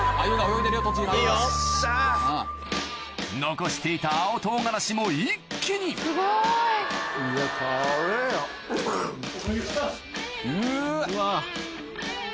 残していた青唐辛子も一気にうわ！